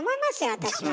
私は。